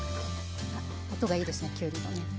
音がいいですねきゅうりのね。